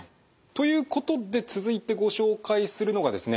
ということで続いてご紹介するのがですね